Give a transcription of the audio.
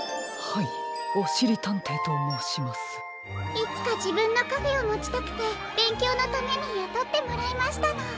いつかじぶんのカフェをもちたくてべんきょうのためにやとってもらいましたの。